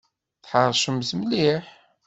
Tḥeṛcemt mliḥ!